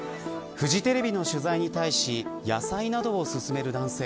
フジテレビの取材に対し野菜などを薦める男性。